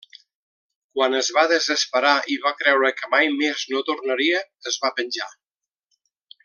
Quan es va desesperar i va creure que mai més no tornaria, es va penjar.